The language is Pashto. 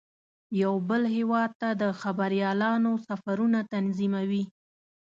یو بل هیواد ته د خبریالانو سفرونه تنظیموي.